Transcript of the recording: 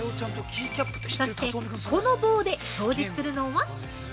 そしてこの棒で、掃除するのは。